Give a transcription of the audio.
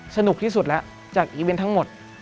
สนุกที่สุดแล้วจากอีเวนต์ทั้งหมด